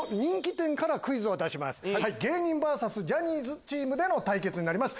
芸人ｖｓジャニーズチームでの対決になります。